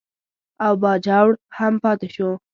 او باجوړ هم پاتې شو.